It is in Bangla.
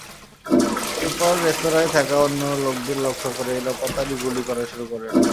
এরপর রেস্তোরাঁয় থাকা অন্য লোকদের লক্ষ্য করে এলোপাতাড়ি গুলি করা শুরু করেন।